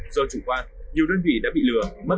do chủ quan nhiều đơn vị đã bị lừa